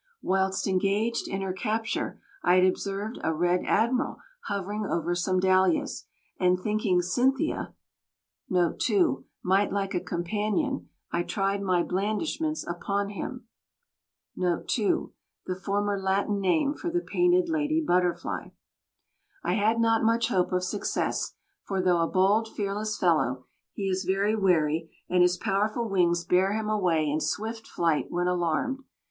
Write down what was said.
Whilst engaged in her capture I had observed a "Red Admiral" hovering over some dahlias, and thinking "Cynthia" might like a companion, I tried my blandishments upon him. I had not much hope of success, for though a bold, fearless fellow, he is very wary, and his powerful wings bear him away in swift flight when alarmed.